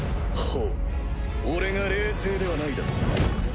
ほぅ俺が冷静ではないだと？